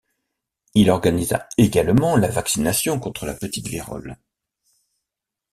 Il organisa également la vaccination contre la petite vérole.